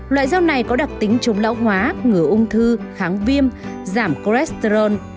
loại dao này có đặc tính chống lão hóa ngừa ung thư kháng viêm giảm cholesterol